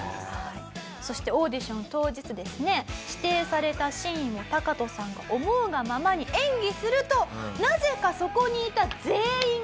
そしてオーディション当日ですね指定されたシーンをタカトさんが思うがままに演技するとなぜかそこにいた。